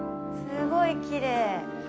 すごいきれい。